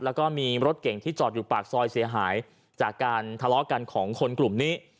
แล้วก็มีรถเก่งที่จอดอยู่ปากซอยเสียหายจากการทะเลาะกันของคนกลุ่มนี้